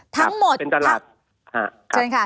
ทั้งหมดเป็นตลาด